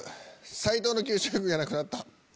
斎藤の給食費がなくなった。